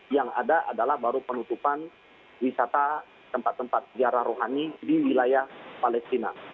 yang ada adalah baru penutupan wisata tempat tempat ziarah rohani di wilayah palestina